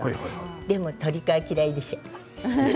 でも鶏皮嫌いでしょう？